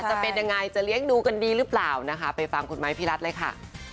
จะเป็นยังไงจะเลี้ยงดูกันดีหรือเปล่านะคะไปฟังคุณไม้พี่รัฐเลยค่ะ